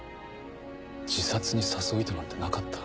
自殺に誘う意図なんてなかった。